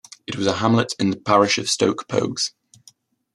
It was a hamlet in the parish of Stoke Poges.